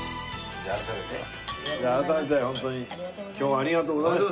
じゃあ改めてホントに今日はありがとうございました。